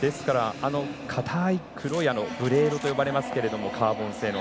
硬い黒いブレードと呼ばれますがカーボン製の。